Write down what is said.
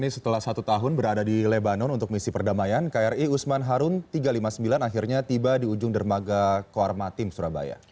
setelah satu tahun berada di lebanon untuk misi perdamaian kri usman harun tiga ratus lima puluh sembilan akhirnya tiba di ujung dermaga koarmatim surabaya